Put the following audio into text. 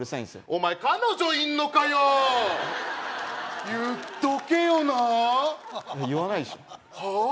お前彼女いんのかよ言っとけよな言わないでしょはあ？